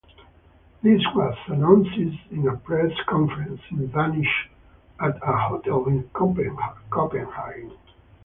This was announced in a press conference in Danish at a hotel in Copenhagen.